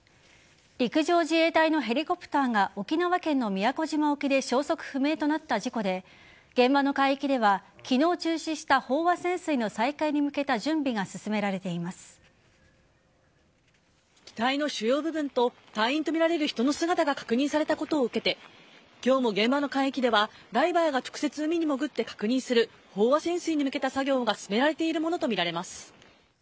陸上自衛隊のヘリコプターが沖縄県の宮古島沖で消息不明となった事故で現場の海域では昨日中止した飽和潜水の再開に向けた準備が機体の主要部分と隊員とみられる人の姿が確認されたことを受けて今日も現場の海域ではダイバーが直接海に潜って確認する飽和潜水に向けた作業が進められているものとみられます。